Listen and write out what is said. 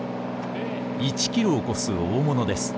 １キロを超す大物です。